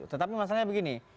tetapi masalahnya begini